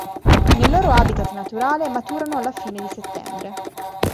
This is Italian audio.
Nel loro habitat naturale maturano alla fine di settembre.